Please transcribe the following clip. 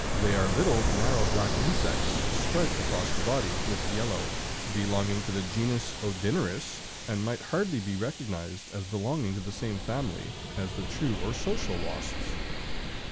They are little narrow black insects striped across the body with yellow, belonging to the genus Odynerus (pl. A, 9), and might hardly be recognized as belonging to the same family as the true or social wasps.